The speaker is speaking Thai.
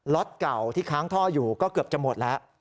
็ตเก่าที่ค้างท่ออยู่ก็เกือบจะหมดแล้ว